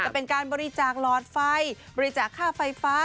เป็นการบริจาคหลอดไฟบริจาคค่าไฟฟ้า